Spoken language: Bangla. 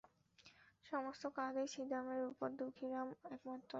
সমস্ত কাজেই ছিদামের উপর দুখিরামের একমাত্র নির্ভর।